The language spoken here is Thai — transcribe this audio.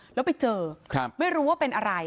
แล้วไปเจอไม่รู้ว่าเป็นอะไร